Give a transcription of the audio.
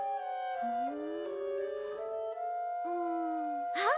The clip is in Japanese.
うんあっ！